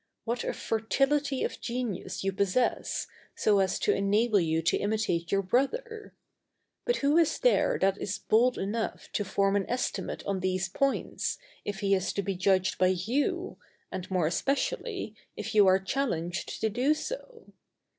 What a fertility of genius you possess, so as to enable you to imitate your Brother! But who is there that is bold enough to form an estimate on these points, if he is to be judged by you, and, more especially, if you are challenged to do so?